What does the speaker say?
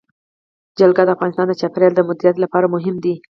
جلګه د افغانستان د چاپیریال د مدیریت لپاره مهم دي.